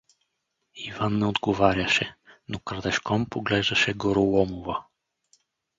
Иван не отговаряше, но крадешком поглеждаше Гороломова.